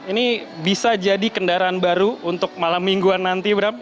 ini bisa jadi kendaraan baru untuk malam mingguan nanti bram